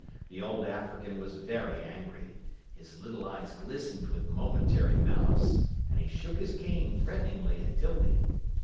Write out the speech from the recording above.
The old African was very angry. His little eyes glistened with momentary malice, and he shook his cane threateningly at 'Tildy.